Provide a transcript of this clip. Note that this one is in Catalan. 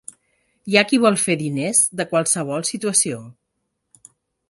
Hi ha qui vol fer diners de qualsevol situació.